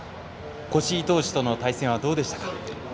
越井投手との対戦はどうでしたか。